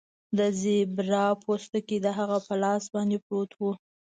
د زیبرا پوستکی د هغه په لاس باندې پروت و